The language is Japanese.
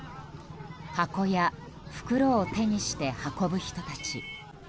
箱や袋を手にして運ぶ人たち。